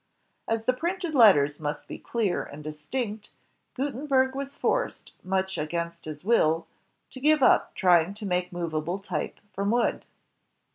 As the printed letters must be clear and distinct, Gutenberg was forced, much against his will, to give up trying to make movable type from wood.